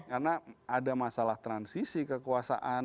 karena ada masalah transisi kekuasaan